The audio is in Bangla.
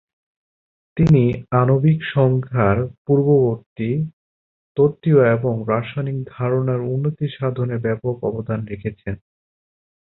তিনি আণবিক সংখ্যার পূর্ববর্তী তত্ত্বীয় এবং রাসায়নিক ধারণার উন্নতি সাধনে ব্যাপক অবদান রেখেছেন।